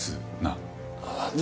ああ。